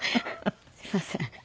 すいません。